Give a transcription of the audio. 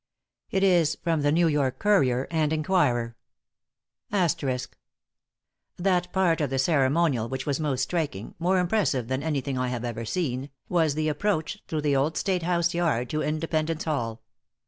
It is from the New York Courier and Enquirer: * "That part of the ceremonial which was most striking, more impressive than anything I have ever seen, was the approach through the old State House yard to Independence Hall.